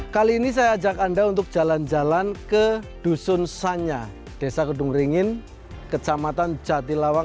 kali ini saya ajak anda untuk jalan jalan ke dusun sanya desa kedung ringin kecamatan jatilawang